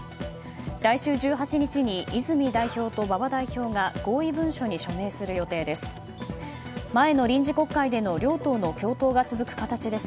来週１８日に泉代表と馬場代表が合意文書に署名する予定です。